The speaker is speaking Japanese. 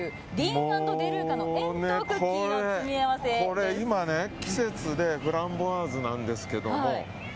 これ今ね、季節でフランボワーズなんですけど。